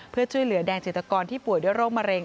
เพื่อช่วยเหลือแดงจิตกรที่ป่วยด้วยโรคมะเร็ง